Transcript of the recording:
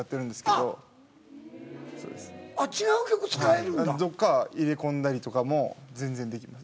どっか入れ込んだりとかも全然できます。